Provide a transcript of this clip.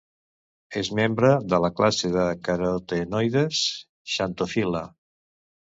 És membre de la classe de carotenoides xantofil·la.